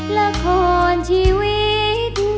ละครชีวิต